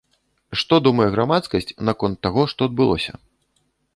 Што думае грамадскасць наконт таго, што адбылося?